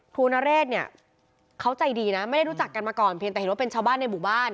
นเรศเนี่ยเขาใจดีนะไม่ได้รู้จักกันมาก่อนเพียงแต่เห็นว่าเป็นชาวบ้านในหมู่บ้าน